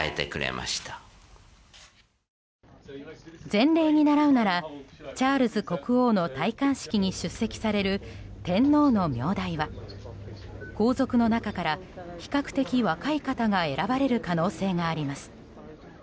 前例に倣うならチャールズ国王の戴冠式に出席される天皇の名代は皇族の中から比較的若い方が選ばれる可能性があります。